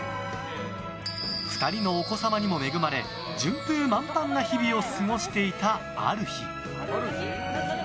２人のお子様にも恵まれ順風満帆な日々を過ごしていたある日。